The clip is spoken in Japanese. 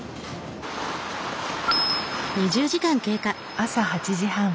朝８時半。